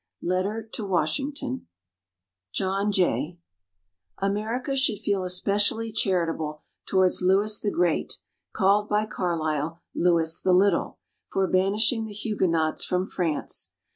Letter to Washington [Illustration: JOHN JAY] America should feel especially charitable towards Louis the Great, called by Carlyle, Louis the Little, for banishing the Huguenots from France.